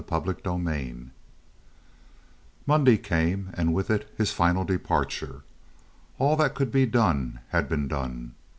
Chapter LI Monday came and with it his final departure. All that could be done had been done.